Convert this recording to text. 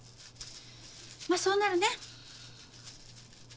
まっそうなるね。